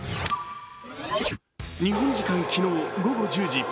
日本時間昨日午後１０時。